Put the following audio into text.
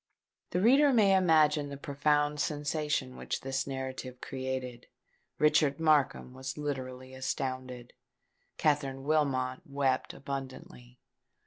The reader may imagine the profound sensation which this narrative created. Richard Markham was literally astounded. Katherine Wilmot wept abundantly.